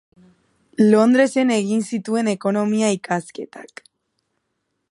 Londresen egin zituen ekonomia ikasketak.